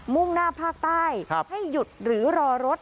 ่งหน้าภาคใต้ให้หยุดหรือรอรถ